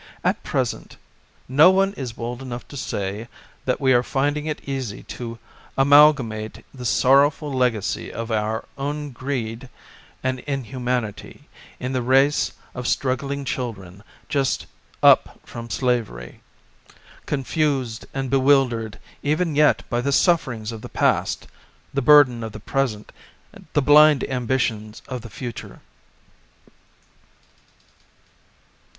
At present no one is bold enough to say that we are finding it easy to amalgamate the sorrowful legacy of our own greed and inhumanity, in the race of struggling children just "up from slavery," con fused and bewildered even yet by the sufferings of the past, the burden of the present, the blind ambitions of the fu ture.